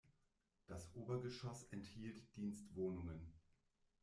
Das Obergeschoss enthielt Dienstwohnungen.